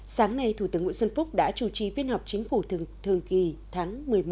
sáng nay thủ tướng nguyễn xuân phúc đã chủ trì phiên họp chính phủ thường kỳ tháng một mươi một